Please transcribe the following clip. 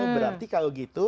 berarti kalau gitu